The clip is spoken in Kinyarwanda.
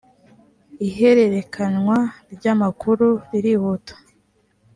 ihererekanwa ryamakuru ririhuta .